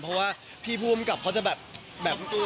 เพราะว่าพี่ผู้กำกับเขาจะแบบ